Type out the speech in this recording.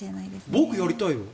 僕、やりたいよ。